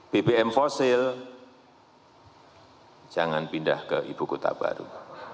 bbm fosil jangan pindah ke ibu kota baru